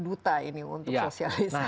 duta ini untuk sosialisasi